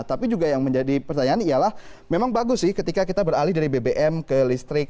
tapi juga yang menjadi pertanyaan ialah memang bagus sih ketika kita beralih dari bbm ke listrik